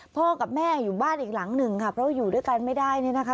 พ่อกับแม่อยู่บ้านอีกหลังหนึ่งค่ะเพราะว่าอยู่ด้วยกันไม่ได้เนี่ยนะคะ